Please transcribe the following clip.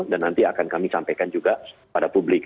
dan nanti akan kami sampaikan juga pada publik